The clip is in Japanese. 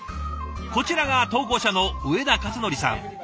こちらが投稿者の上田和範さん。